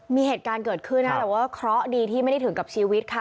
มีเหตุการณ์เกิดขึ้นนะแต่ว่าเคราะห์ดีที่ไม่ได้ถึงกับชีวิตค่ะ